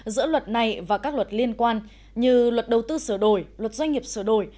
giữa luật này và các luật liên quan như luật đầu tư sửa đổi luật doanh nghiệp sửa đổi